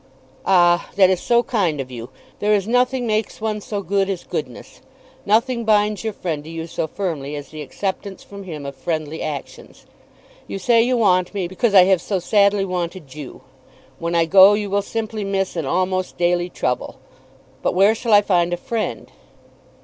"Ah, that is so kind of you. There is nothing makes one so good as goodness; nothing binds your friend to you so firmly as the acceptance from him of friendly actions. You say you want me, because I have so sadly wanted you. When I go you will simply miss an almost daily trouble, but where shall I find a friend?"